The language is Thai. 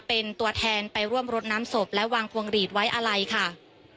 เป็นตัวแทนไปร่วมรดน้ำศพและวางพวงหลีดไว้อะไรค่ะ